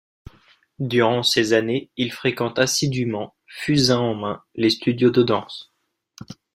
Durant ces années, il fréquente assidument, fusain en main, les studios de danse.